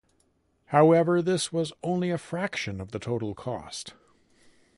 However, this was only a fraction of the total cost.